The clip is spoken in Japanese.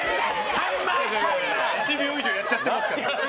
１秒以上やっちゃってますから。